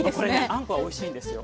あんこおいしいんですよ。